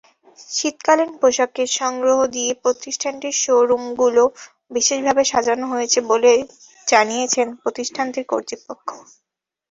শীতকালীন পোশাকের সংগ্রহ দিয়ে প্রতিষ্ঠানটির শো-রুমগুলো বিশেষভাবে সাজানো হয়েছে বলে জানিয়েছে প্রতিষ্ঠানটির কর্তৃপক্ষ।